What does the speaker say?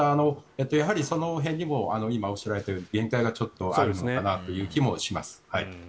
その辺も今、おっしゃられたように限界があるのかなという気もします。